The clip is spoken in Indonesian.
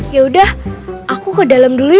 yaudah aku ke dalam dulu ya